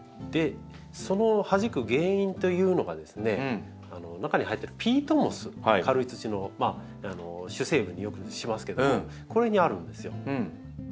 そのはじく原因というのがですね中に入ってるピートモス軽い土の主成分によくしますけどもこれにあるんですよ。